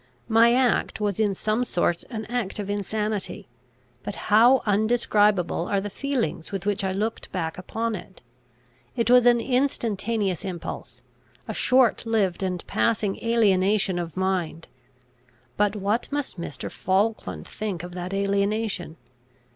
My act was in some sort an act of insanity; but how undescribable are the feelings with which I looked back upon it! It was an instantaneous impulse, a short lived and passing alienation of mind; but what must Mr. Falkland think of that alienation?